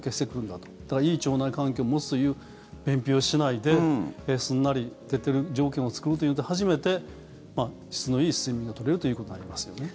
だからいい腸内環境を持つという便秘をしないですんなり出てる状況を作れて初めて質のいい睡眠が取れるということになりますよね。